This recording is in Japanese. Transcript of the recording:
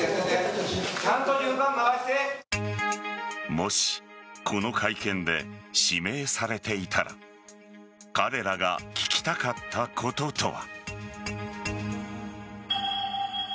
もしこの会見で指名されていたら彼らが聞きたかったこととは。